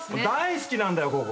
大好きなんだよ